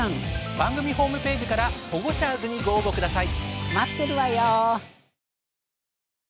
番組ホームページからホゴシャーズにご応募下さい！